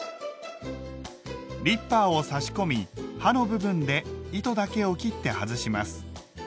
リッパーを差し込み刃の部分で糸だけを切って外します。